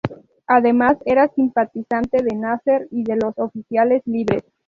Además, era simpatizante de Nasser y de los Oficiales Libres.